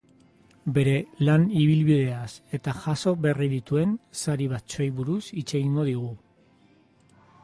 Bere lan ibilbideaz eta jaso berri dituen sari batzuei buruz hitz egingo digu.